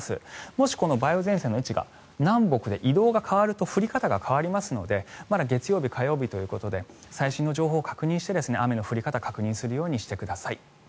もし、この梅雨前線の位置が南北で、移動が変わると降り方が変わりますのでまだ月曜日、火曜日ということで最新の情報を確認して雨の降り方確認するようにしてください。